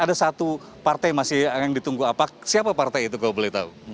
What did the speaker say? ada satu partai yang masih ditunggu apa siapa partai itu kalau boleh tahu